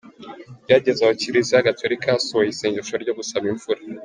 Byageze aho Kiliziya Gatulika yasohoye isengesho ryo gusaba imvura.